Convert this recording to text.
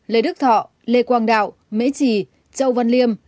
lê đức thọ lê quang đạo mễ trì châu văn liêm